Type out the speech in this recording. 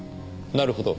なるほど。